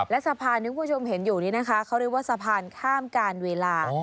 และสะพานที่คุณผู้ชมเห็นอยู่นี้นะคะเขาเรียกว่าสะพานข้ามการเวลา